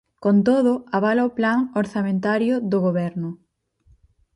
Con todo, avala o plan orzamentario do Goberno.